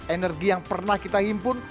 energi yang pernah kita himpun